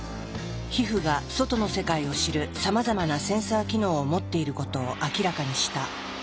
皮膚が外の世界を知るさまざまなセンサー機能を持っていることを明らかにした。